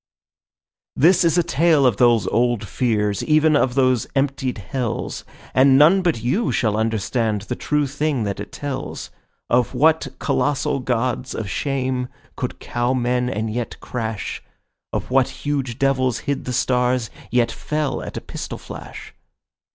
This is a tale of those old fears, even of those emptied hells, And none but you shall understand the true thing that it tells— Of what colossal gods of shame could cow men and yet crash, Of what huge devils hid the stars, yet fell at a pistol flash.